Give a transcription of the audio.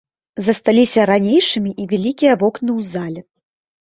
Засталіся ранейшымі і вялікія вокны ў зале.